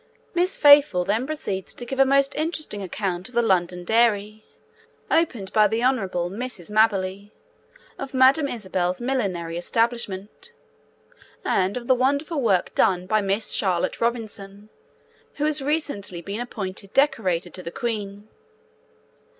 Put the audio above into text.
Miss Faithfull then proceeds to give a most interesting account of the London dairy opened by the Hon. Mrs. Maberley, of Madame Isabel's millinery establishment, and of the wonderful work done by Miss Charlotte Robinson, who has recently been appointed Decorator to the Queen.